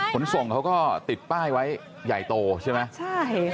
ขนส่งเขาก็ติดป้ายไว้ใหญ่โตใช่ไหมใช่ค่ะ